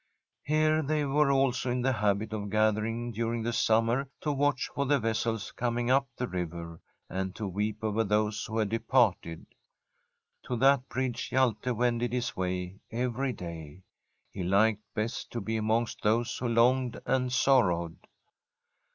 Here they were also in the habit of gathering during the summer, to watch for the vessels coming up the river, and to weep over those who had departed. To that bridge Hjalte wended his way every day. He liked best to be amongst those who longed and sorrowed.